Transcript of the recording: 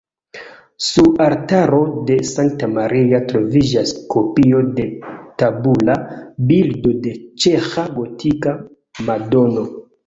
Sur altaro de Sankta Maria troviĝas kopio de tabula bildo de ĉeĥa gotika Madono.